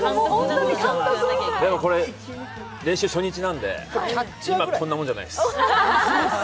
これは練習初日なので今はこんなもんじゃないです。